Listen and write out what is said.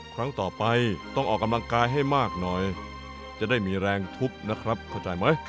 ครั้งต่อไปต้องออกกำลังกายให้มากหน่อยจะได้มีแรงทุกข์นะครับเข้าใจไหม